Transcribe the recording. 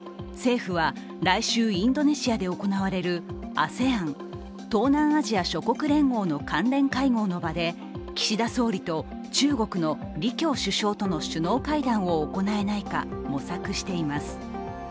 今年は日中平和友好条約の締結から４５年に当たり、政府は来週、インドネシアで行われるＡＳＥＡＮ＝東南アジア諸国連合の関連会合の場で岸田総理と中国の李強首相との首脳会談を行えないか模索しています。